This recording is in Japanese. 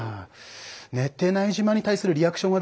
寝てない自慢に対するリアクションはですね